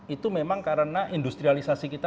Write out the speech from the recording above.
itu memang karena industrialisasi kita